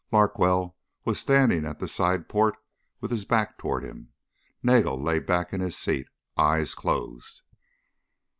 Larkwell was standing at the side port with his back toward him. Nagel lay back in his seat, eyes closed.